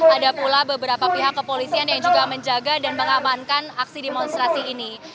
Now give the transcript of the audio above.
ada pula beberapa pihak kepolisian yang juga menjaga dan mengamankan aksi demonstrasi ini